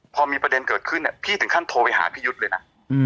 พอมีประเด็นเกิดขึ้นพี่ถึงขั้นโทรไปหาพี่ยุทธ์เลยนะ